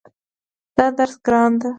دا درس ګران ده